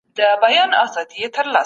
یوه کششي قوه خلګ سره نښلوي.